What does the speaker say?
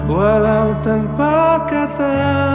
walau tanpa kata